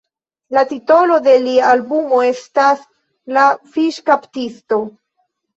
La titolo de lia albumo estas "La Fiŝkaptisto".